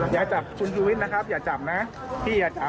อย่าจับคุณชูวิทย์นะครับอย่าจับนะพี่อย่าจับ